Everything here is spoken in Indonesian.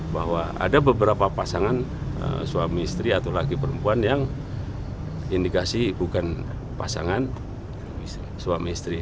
bahwa ada beberapa pasangan suami istri atau laki perempuan yang indikasi bukan pasangan suami istri